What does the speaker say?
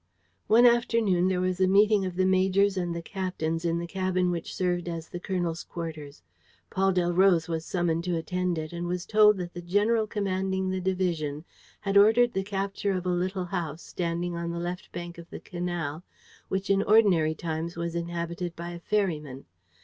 One afternoon there was a meeting of the majors and the captains in the cabin which served as the colonel's quarters. Paul Delroze was summoned to attend it and was told that the general commanding the division had ordered the capture of a little house, standing on the left bank of the canal, which in ordinary times was inhabited by a ferryman.